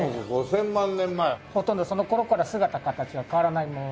ほとんどその頃から姿形は変わらないまま。